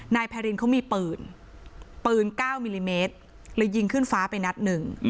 นายพารินเขามีปืนปืน๙มิลลิเมตรเลยยิงขึ้นฟ้าไปนัดหนึ่ง